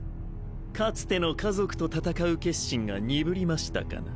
かつての家族と戦う決心が鈍りましたかな？